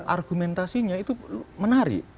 argumentasinya itu menarik